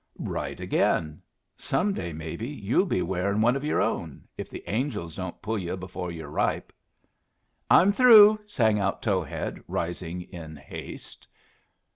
"Right again. Some day, maybe, you'll be wearing one of your own, if the angels don't pull yu' before you're ripe." "I'm through!" sang out Towhead, rising in haste.